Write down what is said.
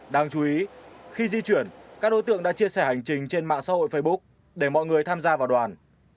đáng chú ý khi di chuyển các đối tượng đã chia sẻ hành trình trên mạng xã hội facebook để mọi người tham gia vào đoàn